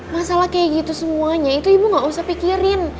masalah kayak gitu semuanya itu ibu gak usah pikirin